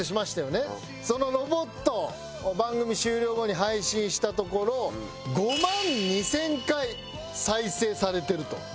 その『ロボット』を番組終了後に配信したところ５万２０００回再生されてると。